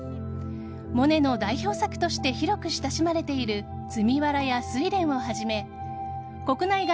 モネの代表作として広く親しまれている「積みわら」や「睡蓮」をはじめ国内外